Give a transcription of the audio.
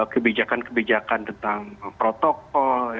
kebijakan kebijakan tentang protokol